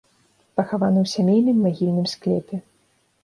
Пахаваны ў сямейным магільным склепе.